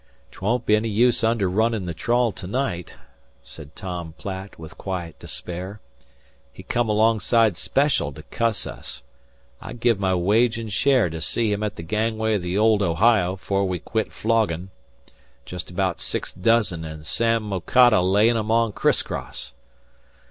"'Twon't be any use underrunnin' the trawl to night," said Tom Platt, with quiet despair. "He come alongside special to cuss us. I'd give my wage an' share to see him at the gangway o' the old Ohio 'fore we quit floggin'. Jest abaout six dozen, an' Sam Mocatta layin' 'em on criss cross!"